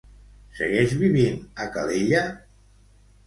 Segueix vivint a Calella?